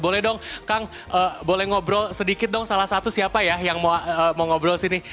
boleh dong kang boleh ngobrol sedikit dong salah satu siapa ya yang mau ngobrol sini